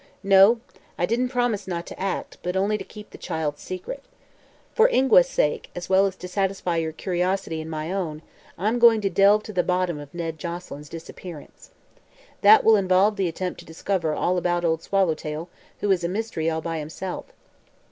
"No. I didn't promise not to act, but only to keep the child's secret. For Ingua's sake, as well as to satisfy your curiosity and my own I'm going to delve to the bottom of Ned Joselyn's disappearance. That will involve the attempt to discover all about Old Swallowtail, who is a mystery all by himself.